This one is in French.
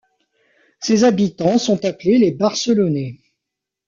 Ses habitants sont appelés les Barcelonnais.